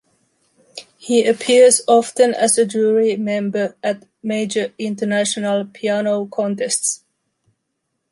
He appears often as a jury member at major international piano contests.